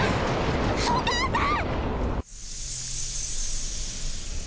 お母さん！